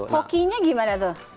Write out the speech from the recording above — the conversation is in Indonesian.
hoki nya gimana tuh